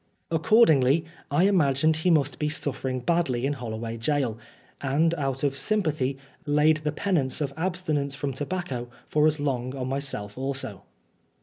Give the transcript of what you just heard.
Accordingly, I imagined he must be suffering badly in Holloway Gaol, and out of sympathy, laid the penance of abstinence from tobacco for as long on myself also.